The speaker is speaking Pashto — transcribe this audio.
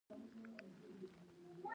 په توهیني غږونو غوږ مه نیسه.